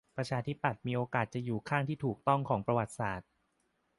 ประชาธิปัตย์มีโอกาสจะอยู่ข้างที่ถูกต้องของประวัติศาสตร์